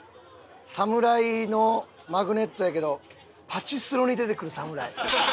侍のマグネットやけどパチスロに出てくる侍。